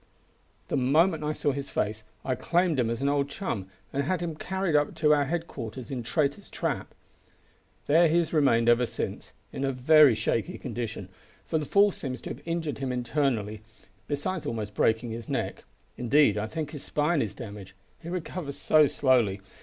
"The moment I saw his face I claimed him as an old chum, and had him carried up to our headquarters in Traitor's Trap. There he has remained ever since, in a very shaky condition, for the fall seems to have injured him internally, besides almost breaking his neck. Indeed I think his spine is damaged, he recovers so slowly.